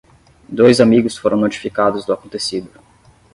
Dois amigos foram notificados do acontecido.